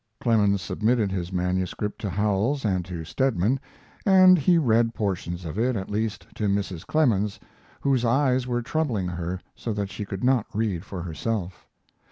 Clemens submitted his manuscript to Howells and to Stedman, and he read portions of it, at least, to Mrs. Clemens, whose eyes were troubling her so that she could not read for herself.